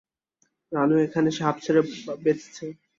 রানু এখানে এসে হাঁফ ছেড়ে বেঁচেছে।